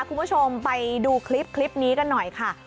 คุณผู้ชมไปดูคลิปนี้กันหน่อยค่ะ